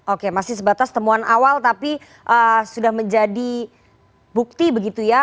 oke masih sebatas temuan awal tapi sudah menjadi bukti begitu ya